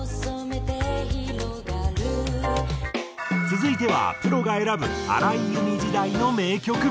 続いてはプロが選ぶ荒井由実時代の名曲。